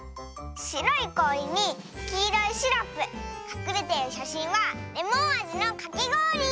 しろいこおりにきいろいシロップかくれてるしゃしんはレモンあじのかきごおり！